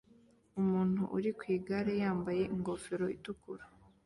Umuntu uri ku igare yambaye ingofero itukura